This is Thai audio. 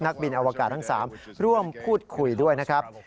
นักบินอวกาศทั้ง๓ร่วมพูดคุยด้วยนะครับ